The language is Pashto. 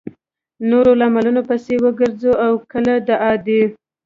نورو لاملونو پسې وګرځو او کله د عادي